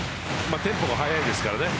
テンポも速いですからね。